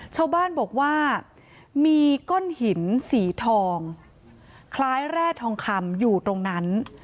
ชาวบ้านบอกว่ามีก้อนหินสีทองคล้ายแร่ทองคำอยู่ตรงนั้น